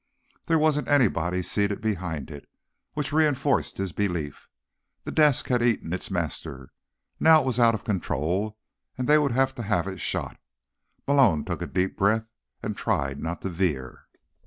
There wasn't anybody seated behind it, which reinforced his belief. The desk had eaten its master. Now it was out of control and they would have to have it shot. Malone took a deep breath and tried not to veer.